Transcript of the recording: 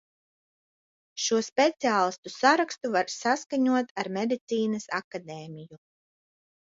Šo speciālistu sarakstu var saskaņot ar Medicīnas akadēmiju.